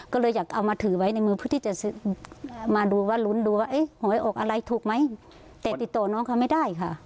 ก็เลยอยากเอามาถือไว้ในมือเพื่อที่จะมาดูว่าลุ้นดูว่าเอ๊ะหวยออกอะไรถูกไหมแต่ติดต่อน้องเขาไม่ได้ค่ะ